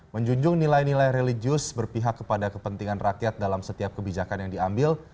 menjunjung nilai nilai religius berpihak kepada kepentingan rakyat dalam setiap kebijakan yang diambil